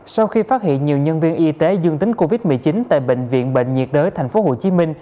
sau khi phát hiện nhiều nhân viên y tế dương tính covid một mươi chín tại bệnh viện bệnh nhiệt đới tp hcm